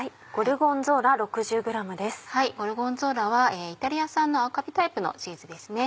ゴルゴンゾーラはイタリア産の青カビタイプのチーズですね。